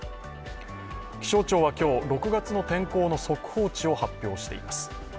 気象庁は今日、６月の天候の速報値を発表しています。